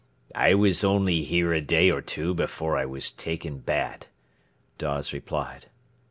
"I was only here a day or two before I was taken bad," Dawes replied.